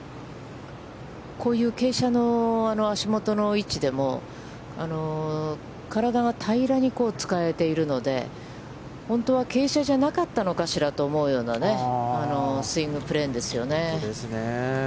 こういう傾斜の足元の位置でも、体が平らに使えているので、本当は傾斜じゃなかったのかしらと思うようなスイングプレーンですよね。